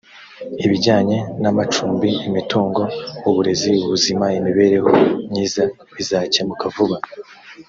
ibijyanye namacumbi imitungo uburezi ubuzima imibereho myiza bizakemuka vuba